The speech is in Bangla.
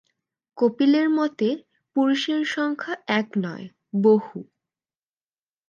কপিলের মতে পুরুষের সংখ্যা এক নয়, বহু।